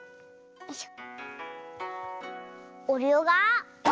よいしょ。